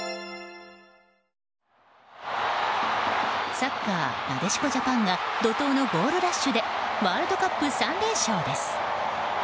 サッカー、なでしこジャパンが怒涛のゴールラッシュでワールドカップ３連勝です。